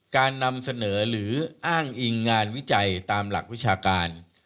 การนำเสนอหรืออ้างอิงงานวิจัยตามหลักวิชาการ